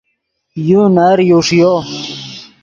یو نر یو ݰیو